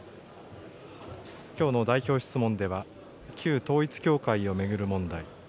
きょうの代表質問では、旧統一教会を巡る問題。